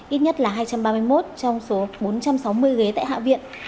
ít nhất là hai trăm ba mươi một trong số bốn trăm sáu mươi ghế tại hạ viện